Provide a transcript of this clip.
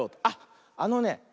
あっあのね